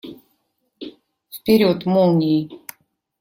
Вперед! Молнией!